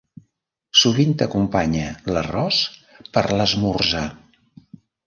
Sovint acompanya l'arròs per l'esmorzar.